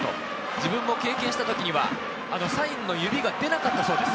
自分も経験した時にはサインの指が出なかったということです。